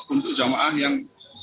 untuk jemaah yang